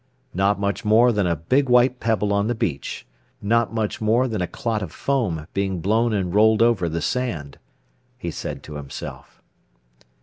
"Not much more than a big white pebble on the beach, not much more than a clot of foam being blown and rolled over the sand," he said to himself.